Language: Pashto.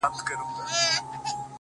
چي له سترگو څخه اوښكي راسي’